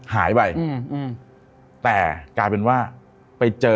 หายไปอืมแต่กลายเป็นว่าไปเจอ